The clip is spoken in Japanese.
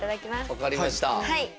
分かりました。